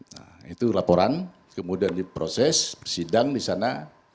nah itu laporan kemudian diproses sidang di sana